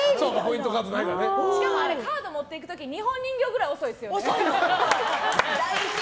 しかもカードを持っていく時日本人形ぐらい遅いですよね。